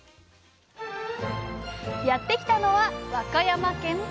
やって来たのは和歌山県串本町。